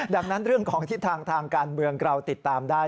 ดังนั้นเรื่องของทิศทางทางการเมืองเราติดตามได้